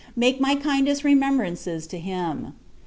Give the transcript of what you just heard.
Make my kindest remembrances to him.